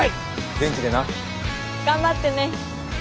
元気でな。頑張ってね。